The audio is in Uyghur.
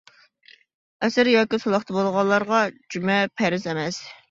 ئەسىر ياكى سولاقتا بولغانلارغا جۈمە پەرز ئەمەس.